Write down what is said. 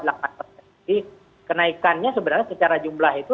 jadi kenaikannya sebenarnya secara jumlah itu